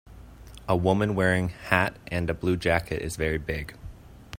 A woman wearing hat and a blue jacket is very big.